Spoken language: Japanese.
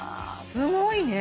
すごいね。